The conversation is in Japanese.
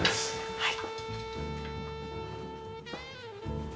はい。